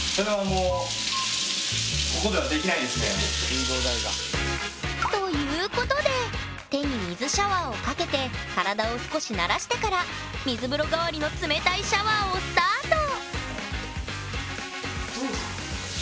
水道代が。ということで手に水シャワーをかけて体を少し慣らしてから水風呂代わりの冷たいシャワーをスタート！